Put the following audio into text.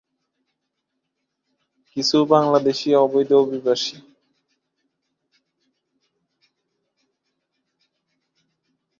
কিছু বাংলাদেশি অবৈধ অভিবাসী।